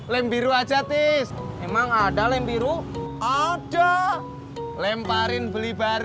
kenapa sebenarnya langsung kami belil sendiri